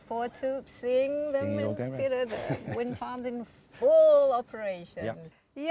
melihatnya di operasi penuh